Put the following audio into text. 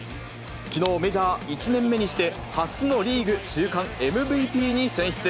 きのう、メジャー１年目にして、初のリーグ週間ＭＶＰに選出。